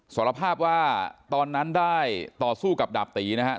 สารภาพว่าตอนนั้นได้ต่อสู้กับดาบตีนะฮะ